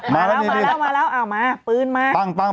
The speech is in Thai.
มาแล้วเอ้ามาปื้นมา